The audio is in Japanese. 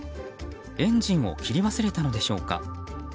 エンジンを切り忘れたのでしょうか。